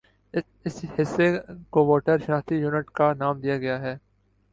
اس حصہ کو ووٹر شناختی یونٹ کا نام دیا گیا ہے